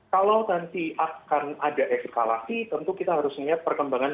kalau nanti akan ada eskalasi tentu kita harus melihat perkembangan